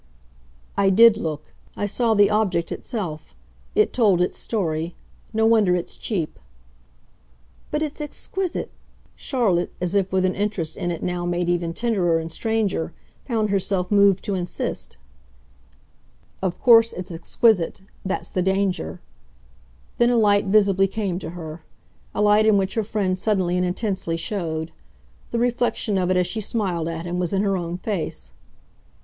"I did look. I saw the object itself. It told its story. No wonder it's cheap." "But it's exquisite," Charlotte, as if with an interest in it now made even tenderer and stranger, found herself moved to insist. "Of course it's exquisite. That's the danger." Then a light visibly came to her a light in which her friend suddenly and intensely showed. The reflection of it, as she smiled at him, was in her own face.